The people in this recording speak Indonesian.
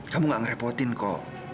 kamu gak ngerepotin kok